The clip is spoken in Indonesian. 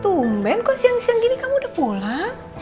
tumben kok siang siang gini kamu udah pulang